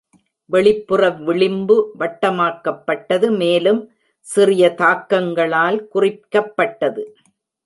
வெளிப்புற விளிம்பு வட்டமாக்கப்பட்டது மேலும் சிறிய தாக்கங்களால் குறிக்கப்பட்டது.